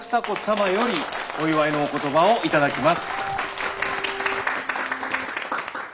様よりお祝いのお言葉を頂きます。